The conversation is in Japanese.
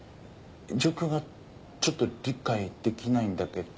状況がちょっと理解できないんだけど。